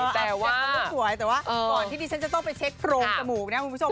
แต่ว่าแต่ว่าก่อนที่ดิฉันจะต้องไปเช็คโครงสมุกนะครับคุณผู้ชม